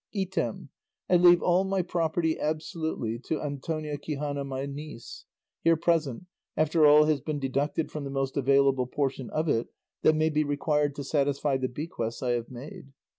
"Item, I leave all my property absolutely to Antonia Quixana my niece, here present, after all has been deducted from the most available portion of it that may be required to satisfy the bequests I have made.